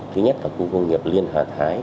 thứ nhất là khu công nghiệp liên hà thái